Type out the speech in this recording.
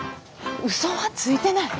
ウソはついてない。